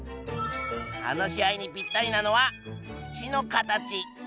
話し合いにぴったりなのは口の形。